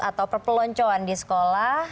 atau perpeloncoan di sekolah